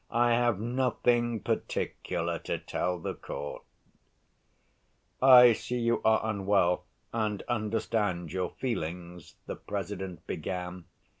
"I have nothing particular to tell the court." "I see you are unwell and understand your feelings," the President began.